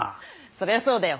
そりゃそうだよ。